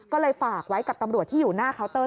ก็เลยฝากไว้กับตำรวจที่อยู่หน้าเคาน์เตอร์